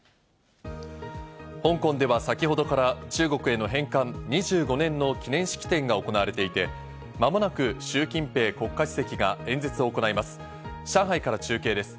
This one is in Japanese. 香港では先ほどから中国への返還２５年の記念式典が行われていて、間もなくシュウ・キンペイ国家主席が演説を行います。